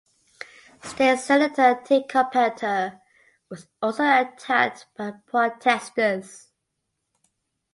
State Senator Tim Carpenter was also attacked by protesters.